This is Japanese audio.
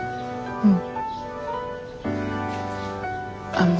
うん。